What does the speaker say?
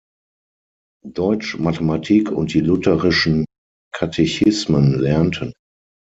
Deutsch, Mathematik und die Lutherischen Katechismen lernten.